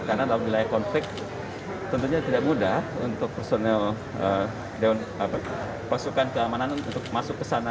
karena dalam wilayah konflik tentunya tidak mudah untuk personel pasukan keamanan untuk masuk ke sana